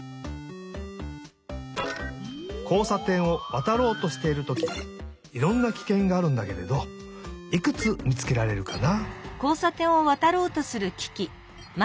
こうさてんをわたろうとしているときいろんなきけんがあるんだけれどいくつみつけられるかな？